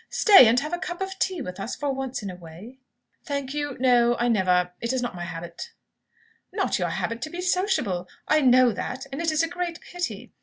Stay and have a cup of tea with us for once in a way." "Thank you, no; I never it is not my habit " "Not your habit to be sociable! I know that; and it is a great pity.